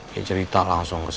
ya cerita langsung ke saya